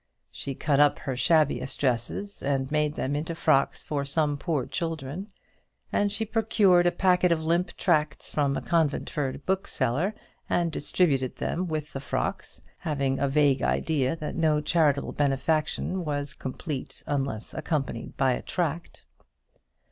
She cut up her shabbiest dresses and made them into frocks for some poor children, and she procured a packet of limp tracts from a Conventford bookseller, and distributed them with the frocks; having a vague idea that no charitable benefaction was complete unless accompanied by a tract.